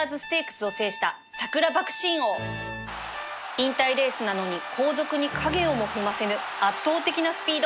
引退レースなのに後続に影をも踏ませぬ圧倒的なスピード